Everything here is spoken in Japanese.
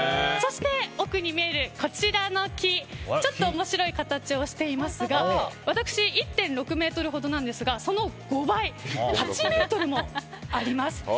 そして、奥に見えるこちらの木ちょっと面白い形をしていますが私、１．６ｍほどなんですがその５倍、８ｍもあります。